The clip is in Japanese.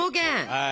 はい。